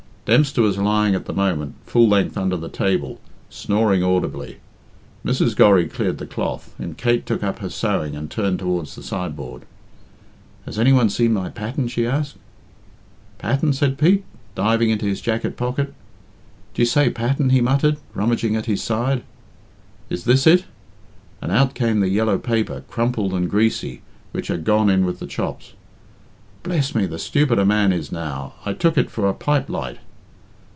Dempster was lying at the moment full length under the table, snoring audibly. Mrs. Gorry cleared the cloth, and Kate took up her sewing and turned towards the sideboard. "Has any one seen my pattern?" she asked. "Pattern?" said Pete, diving into his jacket pocket. "D'ye say pattern," he muttered, rummaging at his side. "Is this it?" and out came the yellow paper, crumpled and greasy, which had gone in with the chops. "Bless me, the stupid a man is now I took it for a pipe light."